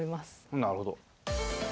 なるほど。